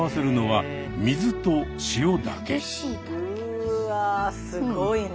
うわすごいな。